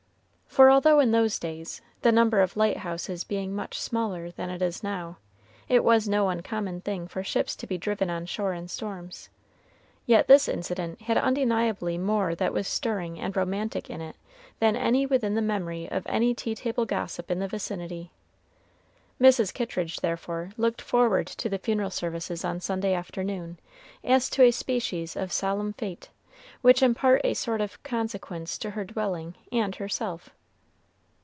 For although in those days, the number of light houses being much smaller than it is now, it was no uncommon thing for ships to be driven on shore in storms, yet this incident had undeniably more that was stirring and romantic in it than any within the memory of any tea table gossip in the vicinity. Mrs. Kittridge, therefore, looked forward to the funeral services on Sunday afternoon as to a species of solemn fête, which imparted a sort of consequence to her dwelling and herself.